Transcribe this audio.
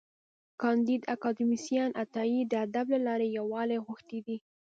کانديد اکاډميسن عطایي د ادب له لارې یووالی غوښتی دی.